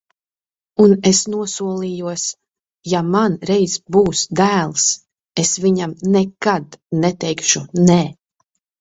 Un es nosolījos: ja man reiz būs dēls, es viņam nekad neteikšu nē.